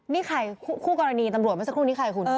นี่ใครคู่กรณีตำรวจเมื่อสักครู่นี้ใครคุณ